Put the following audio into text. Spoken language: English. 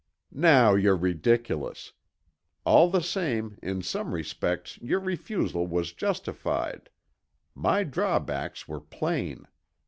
"Now you're ridiculous! All the same, in some respects your refusal was justified. My drawbacks were plain.